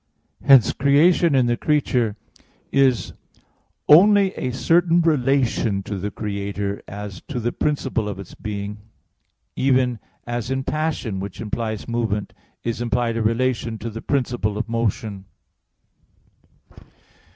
Hence creation in the creature is only a certain relation to the Creator as to the principle of its being; even as in passion, which implies movement, is implied a relation to the principle of motion.